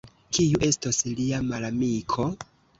Kiu estos lia malamiko?